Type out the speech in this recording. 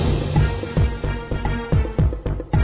กินโทษส่องแล้วอย่างนี้ก็ได้